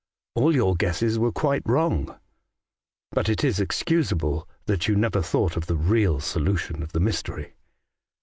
All your guesses were quite wrong ; but it is excusable that you never thought of the real solution of the mystery.